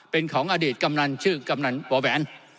เป็นของอดีตกำนันชื่อกำนันบ่อแหวน